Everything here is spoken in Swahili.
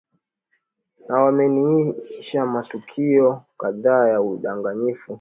na wameinisha matukio kadhaa ya udanganyifu yaliofanywa na chama tawala